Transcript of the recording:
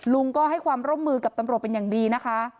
ลุงก็ให้ความร่วมมือกับตำรวจเป็นอย่างดีนะคะ